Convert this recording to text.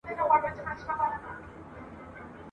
د تاریخ دا ښوونه ورکول اړينه و ګڼله